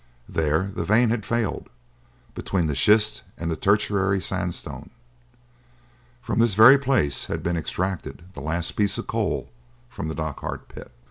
There the vein had failed, between the schist and the tertiary sandstone. From this very place had been extracted the last piece of coal from the Dochart pit.